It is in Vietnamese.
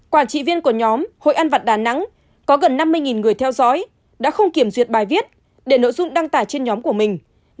quản trị viên của nhóm hội ăn vặt đà nẵng có gần năm mươi người theo dõi đã không kiểm duyệt bài viết để nội dung đăng tải trên nhóm của mình